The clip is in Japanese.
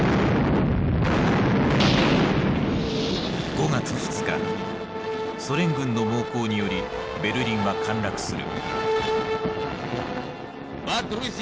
５月２日ソ連軍の猛攻によりベルリンは陥落する。